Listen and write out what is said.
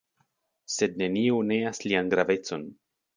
Sed neniu neas lian gravecon.